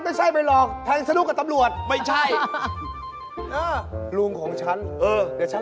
ไม่ใช่ไปหลอกแทงฉนูกกับตำรวจไม่ใช่อ้าวลุงของฉันอืมเดี๋ยวฉัน